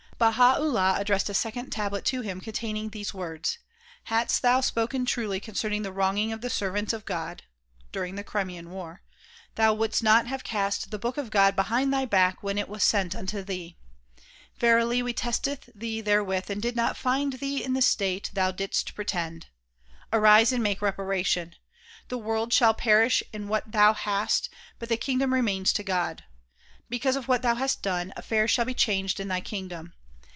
Baha 'Ullah addressed a second tablet to him containing these words "Hadst thou spoken truly concerning the wronging of the servants of God (during the Crimean War), thou wouldst not have cast the book of God behind thy back when it was sent unto thee. Verily we tested thee therewith and did not find thee in the state thou didst pretend. Arise and make reparation. The world shall perish and what thou hast, but the kingdom remains to God. Because of what thou hast done, affairs shall be changed in thy kingdom.